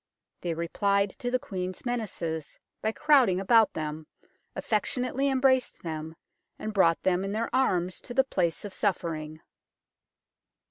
They replied to the Queen's menaces by crowding about them, affectionately em braced them, and brought them in their arms to the place of suffering.